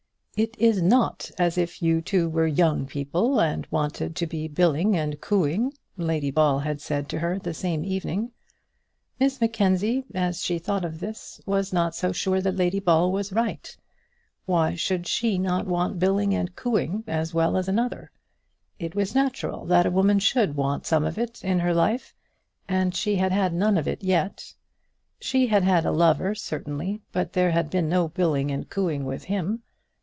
"It is not as if you two were young people, and wanted to be billing and cooing," Lady Ball had said to her the same evening. Miss Mackenzie, as she thought of this, was not so sure that Lady Ball was right. Why should she not want billing and cooing as well as another? It was natural that a woman should want some of it in her life, and she had had none of it yet. She had had a lover, certainly, but there had been no billing and cooing with him.